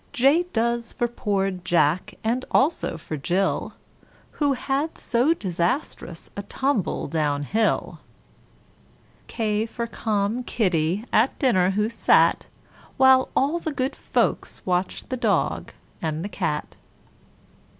J does for poor Jack and also for Jill, Who had so disastrous a tumble down hill. [Illustration: KLMNOP] K for calm Kitty, at dinner who sat, While all the good folks watched the dog & the cat.